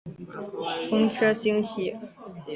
风车星系。